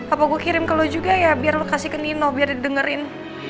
apa gue kirim ke lu juga ya biar lo kasih ke nino biar didengerin